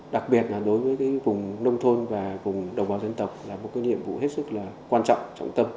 đặc biệt là đối với vùng nông thôn và vùng đồng bào dân tộc là một cái nhiệm vụ hết sức là quan trọng trọng tâm